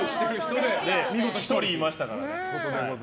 １人いましたからね。